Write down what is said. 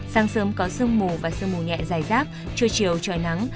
sáng sớm có sương mù và sương mù nhẹ dài rác trưa chiều trời nắng